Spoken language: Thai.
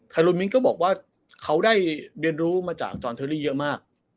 โลมิ้นก็บอกว่าเขาได้เรียนรู้มาจากจอนเทอรี่เยอะมาก